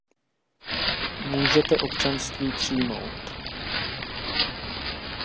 Můžete občanství přijmout.